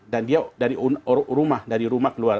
dan dia dari rumah keluar